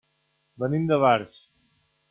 Venim de Barx.